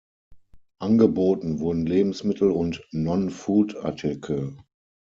Angeboten wurden Lebensmittel und Non-Food-Artikel.